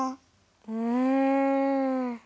うん。